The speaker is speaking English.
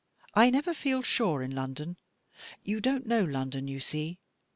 I never feel sure, in London. You don't know London, you see."